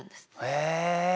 へえ。